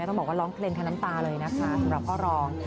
ต้องบอกว่าร้องเพลงทั้งน้ำตาเลยนะคะสำหรับพ่อรอง